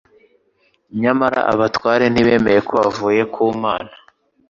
nyamara abatware ntibemeye ko wavuye ku Mana.